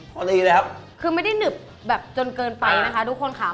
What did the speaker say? พอดีเลยครับคือไม่ได้หนึบแบบจนเกินไปนะคะทุกคนถาม